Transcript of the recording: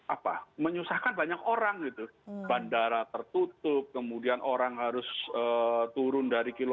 apa menyusahkan banyak orang gitu bandara tertutup kemudian orang harus turun dari kilo